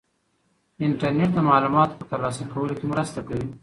انټرنيټ د معلوماتو په ترلاسه کولو کې مرسته کوي.